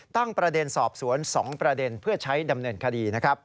ตั้งประเด็นสอบสวน๒ประเด็นเพื่อใช้ดำเนินคดีนะครับ